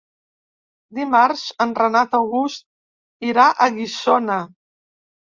Dimarts en Renat August irà a Guissona.